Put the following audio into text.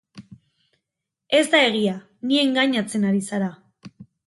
Ez da egia, ni engainatzen ari zara.